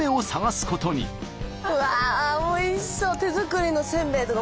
うわおいしそう。